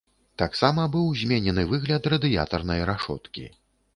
Таксама быў зменены выгляд радыятарнай рашоткі.